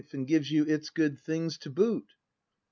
And gives you its good things to boot!